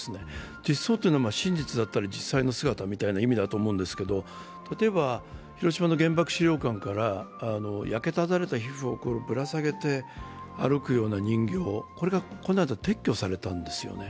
実相というのは真実だったり実際の姿ということだと思いますが例えば広島の原爆資料館から焼けただれた皮膚をぶら下げて歩くような人形、これがこの間撤去されたんですよね。